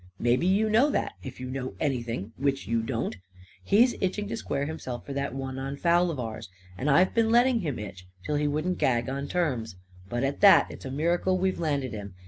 Maybe you know that, if you know anything. Which you don't. He's itching to square himself for that won on foul of ours. And I've been letting him itch, till he wouldn't gag on terms. But, at that, it's a miracle we've landed him.